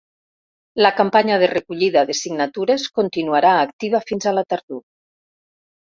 La campanya de recollida de signatures continuarà activa fins a la tardor.